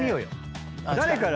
誰から？